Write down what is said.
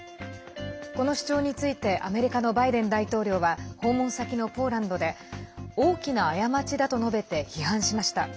この主張についてアメリカのバイデン大統領は訪問先のポーランドで大きな過ちだと述べて批判しました。